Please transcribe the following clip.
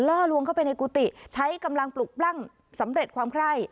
ล่อลวงเข้าไปในกุฏิใช้กำลังปลุกปล้ำสำเร็จความไคร่